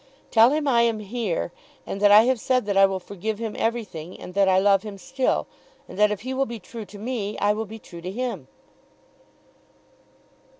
"Tell him I am here and that I have said that I will forgive him everything, and that I love him still, and that if he will be true to me, I will be true to him."